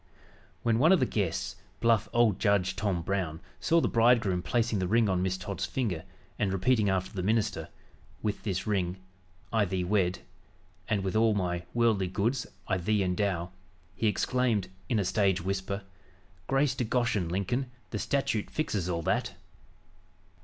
When one of the guests, bluff old Judge Tom Brown, saw the bridegroom placing the ring on Miss Todd's finger, and repeating after the minister, "With this ring" "I thee wed" "and with all" "my worldly goods" "I thee endow" he exclaimed, in a stage whisper: "Grace to Goshen, Lincoln, the statute fixes all that!"